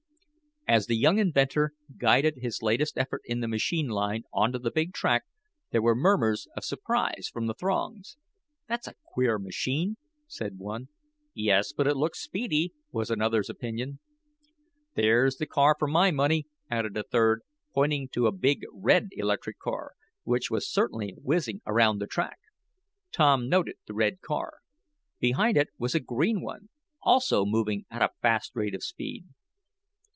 As the young inventor guided his latest effort in the machine line onto the big track there were murmurs of surprise from the throngs. "That's a queer machine," said one. "Yes, but it looks speedy," was another's opinion. "There's the car for my money," added a third, pointing to a big red electric which was certainly whizzing around the track. Tom noted the red car. Behind it was a green one, also moving at a fast rate of speed.